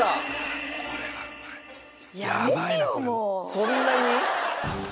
そんなに？